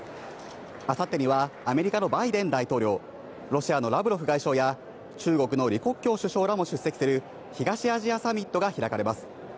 明後日にはアメリカのバイデン大統領、ロシアのラブロフ外相や中国のリ・コッキョウ首相らも出席する、東アジアサミットが開かれます。